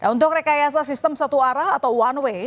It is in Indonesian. untuk rekayasa sistem satu arah atau one way